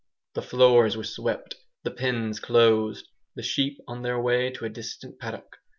The floors were swept, the pens closed, the sheep on their way to a distant paddock.